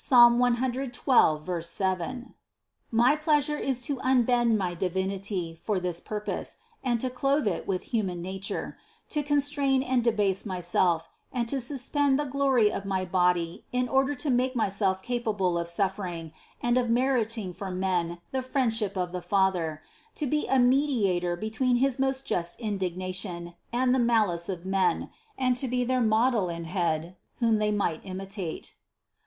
112, 7) ; my pleasure is to un bend my Divinity for this purpose, and to clothe it with human nature, to constrain and debase Myself, and to sus pend the glory of my body in order to make Myself capable of suffering and of meriting for men the friend ship of the Father; to be a Mediator between his most just indignation and the malice of men, and to be their Model and Head, whom they might imitate.